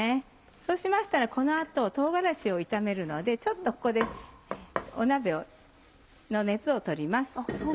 そうしましたらこの後唐辛子を炒めるのでちょっとここで鍋の熱を取ります。